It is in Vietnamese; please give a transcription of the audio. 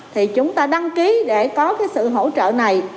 thì chúng ta đăng ký để có cái sự hỗ trợ này